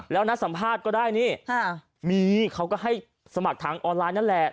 แล้วนัดสัมภาษณ์ก็ได้นี่มีเขาก็ให้สมัครทางออนไลน์นั่นแหละ